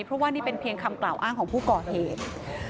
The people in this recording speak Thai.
เพราะว่านี่เป็นเพียงคำกล่าวอ้างของผู้ก่อเหตุ